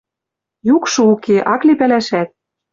Юкшы уке. Ак ли пӓлӓшӓт: